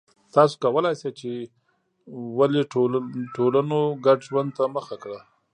تاسو کولای شئ چې ولې ټولنو ګډ ژوند ته مخه کړه